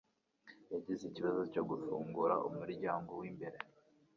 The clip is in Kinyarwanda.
yagize ikibazo cyo gufungura umuryango wimbere